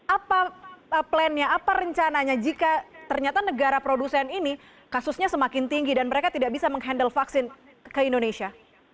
apa plannya apa rencananya jika ternyata negara produsen ini kasusnya semakin tinggi dan mereka tidak bisa menghandle vaksin ke indonesia